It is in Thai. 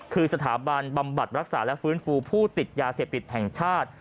คือสถาบันบำบัดรักษาและฟื้นฟูผู้ติดยาเสพติดแห่งชาติ